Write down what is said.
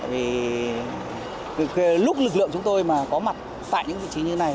vì lúc lực lượng chúng tôi mà có mặt tại những vị trí như thế này